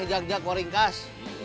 neng jag jag waringkas